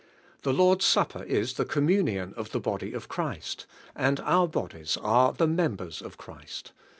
The Lord's supper is "the communion of the body of Christ;" and our bodies are "the members of Christ" (I.